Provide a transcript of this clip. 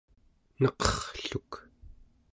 neqerrluk